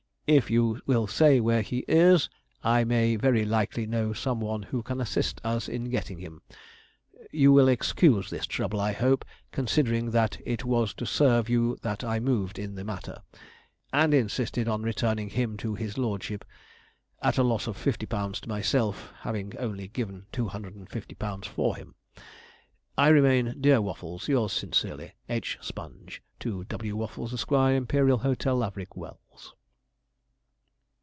If you will say where he is, I may very likely know some one who can assist us in getting him. You will excuse this trouble, I hope, considering that it was to serve you that I moved in the matter, and insisted on returning him to his lordship, at a loss of £50 to myself, having only given £250 for him.' 'I remain, dear Waffles, 'Yours sincerely, 'H. SPONGE.' 'To W. WAFFLES, Esq., 'Imperial Hotel, Laverick Wells.'